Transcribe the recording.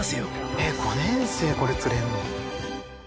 えっ５年生でこれ作れんの？